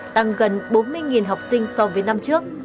tăng gần bốn mươi học sinh so với năm trước